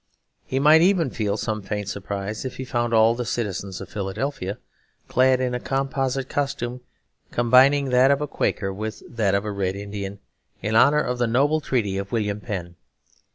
He might even feel some faint surprise if he found all the citizens of Philadelphia clad in a composite costume, combining that of a Quaker with that of a Red Indian, in honour of the noble treaty of William Penn.